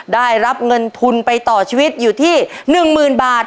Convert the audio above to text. ได้รับเงินทุนไปต่อชีวิตอยู่ที่๑๐๐๐บาท